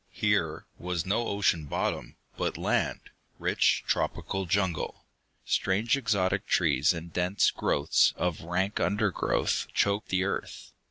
Here was no ocean bottom, but land, rich tropical jungle. Strange exotic trees and dense growths of rank undergrowth choked the earth.